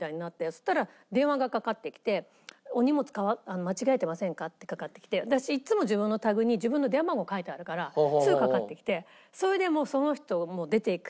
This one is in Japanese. そしたら電話がかかってきてお荷物間違えてませんか？ってかかってきて私いつも自分のタグに自分の電話番号書いてあるからすぐかかってきてそれでその人の出ていくとこ